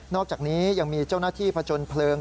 อกจากนี้ยังมีเจ้าหน้าที่ผจญเพลิง